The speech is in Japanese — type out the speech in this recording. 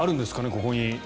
ここに。